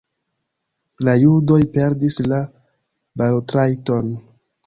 La judoj perdis la balotrajton.